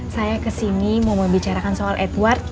saya kesini mau membicarakan soal edward